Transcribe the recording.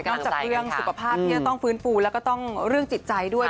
นอกจากเรื่องสุขภาพต้องฟื้นฟูและเรื่องจิตใจด้วย